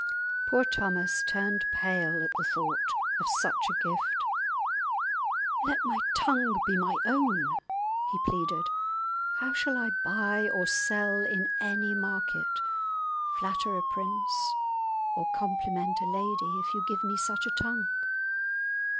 Poor Thomas turned pale at the thought of such a gift. "Let my tongue be my own!" he pleaded; "how shall I buy or sell in any market, flatter a prince, or compliment a lady, if you give me such a tongue!"